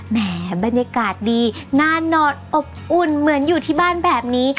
แหมบรรยากาศดีนานนอนอบอุ่นเหมือนอยู่ที่บ้านแบบนี้